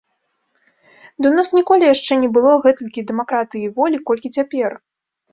Ды ў нас ніколі яшчэ не было гэтулькі дэмакратыі і волі, колькі цяпер!